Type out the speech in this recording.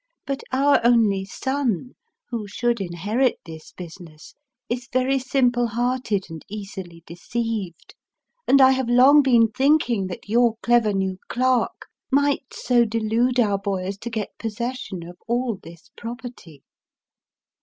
But our only son, who should inherit this busi ness, is very simple hearted and easily deceived ; and I have long been thinking that your clever new clerk might so delude our boy as to get possession of all this property.